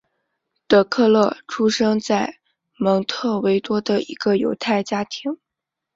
德克勒出生在蒙特维多的一个犹太家庭。